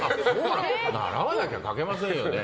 習わなきゃ描けませんよね。